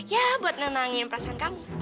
ya buat nenangin perasaan kamu